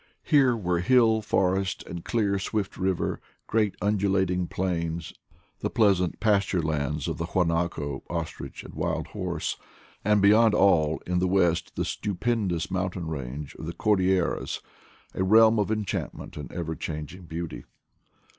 Here were hill, forest, and clear swift river, great un dulating plains, the pleasant pasture lands of the huanaco, ostrich, and wild horse ; and beyond all in the west the stupendous mountain range of the Cordilleras — a realm of enchantment and ever changing beauty.